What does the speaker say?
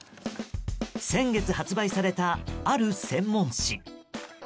先月、発売されたある専門誌。